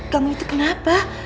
kamu itu kenapa